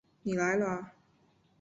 你来了啊